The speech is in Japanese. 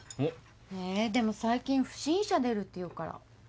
えでも最近不審者出るっていうから。